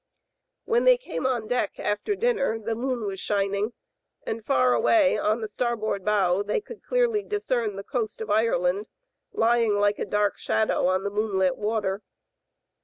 When they came on deck after dinner the moon was shining, and far away on the starboard bow they could clearly discern the coast of Ireland, lying like a dark shadow on the moonlit water.